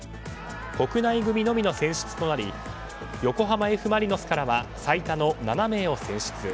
国内組のみの選出となり横浜Ｆ・マリノスからは最多の７名を選出。